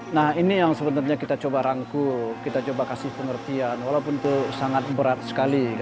nah ini yang sebenarnya kita coba rangkul kita coba kasih pengertian walaupun itu sangat berat sekali